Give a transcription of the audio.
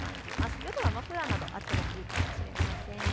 夜はマフラーなどあったほうがいいかもしれません。